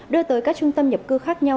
đưa tới các trung tâm nhập cư khác nhau